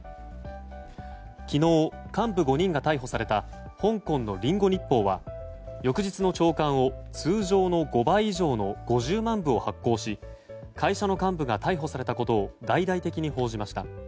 昨日幹部５人が逮捕された香港のリンゴ日報は翌日の朝刊を、通常の５倍以上の５０万部を発行し会社の幹部が逮捕されたことを大々的に報じました。